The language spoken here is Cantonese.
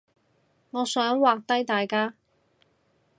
我想畫低大家